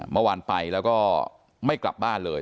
เมื่อวานไปแล้วก็ไม่กลับบ้านเลย